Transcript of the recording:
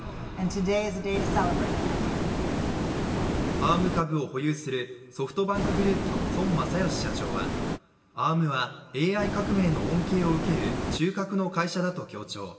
アーム株を保有するソフトバンクグループの孫正義社長はアームはＡＩ革命の恩恵を受ける中核の会社だと強調。